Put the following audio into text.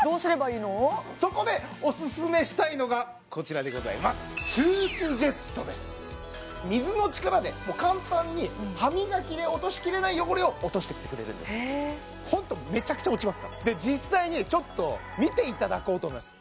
そこでおすすめしたいのがこちらでございますトゥースジェットです水の力でもう簡単に歯磨きで落としきれない汚れを落としていってくれるんですホントめちゃくちゃ落ちますから実際にちょっと見ていただこうと思います